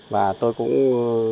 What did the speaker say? và tôi cũng